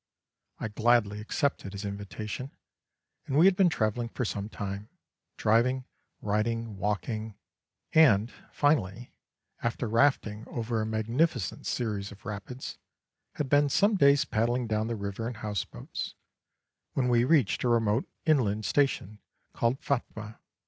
I gladly accepted his invitation, and we had been travelling for some time, driving, riding, walking, and, finally, after rafting over a magnificent series of rapids, had been some days paddling down the river in house boats, when we reached a remote inland station called Phatmah.